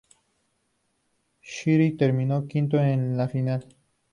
Scherer terminó quinto en la final.